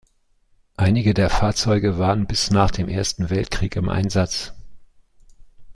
Einige der Fahrzeuge waren bis nach dem Ersten Weltkrieg im Einsatz.